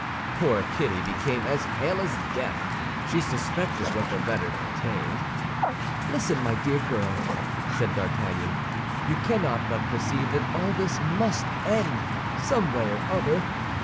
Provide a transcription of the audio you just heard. Poor Kitty became as pale as death; she suspected what the letter contained. "Listen, my dear girl," said D'Artagnan; "you cannot but perceive that all this must end, some way or other.